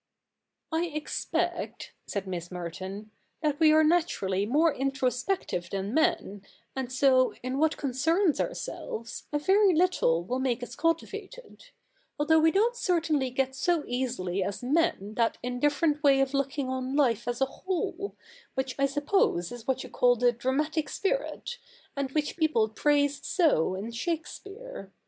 ' I expect,' said Miss Merton, ' that we are naturally more introspective than men, and so, in what concerns ourselves, a very little will make us cultivated ; although we don't certainly get so easily as men that indifferent way of looking on life as a whole, which I suppose is what you call the dramatic spirit, and which people praise so in Shakespeare.